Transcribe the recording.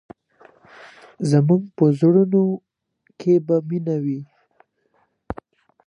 زموږ په زړونو کې به مینه وي.